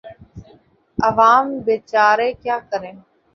عوام بیچارے کیا کریں۔